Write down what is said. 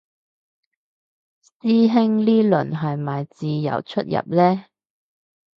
師兄呢輪係咪自由出入嘞